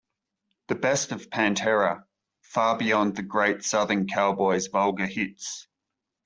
The Best of Pantera: Far Beyond the Great Southern Cowboys' Vulgar Hits!